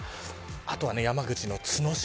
あとは山口の角島